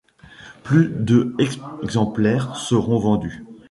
Plus de exemplaires seront vendus.